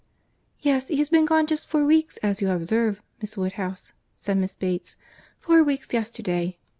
"Yes, he has been gone just four weeks, as you observe, Miss Woodhouse," said Miss Bates, "four weeks yesterday.